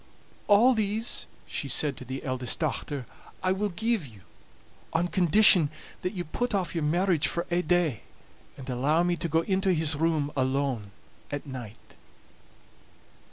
"All these," she said to the eldest dochter, "I will give you, on condition that you put off your marriage for ae day, and allow me to go into his room alone at night."